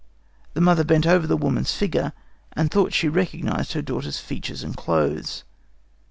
The mother bent over the woman's figure, and thought she recognized her daughter's features and clothes.